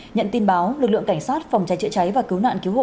nhận tin báo lực lượng cảnh sát phòng cháy chữa cháy và cứu nạn cứu hộ